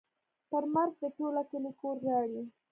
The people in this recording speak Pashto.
پر مرګ دې ټوله کلي کور ژاړي.